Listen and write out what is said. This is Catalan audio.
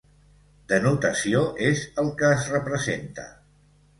Denotació és el que es representa.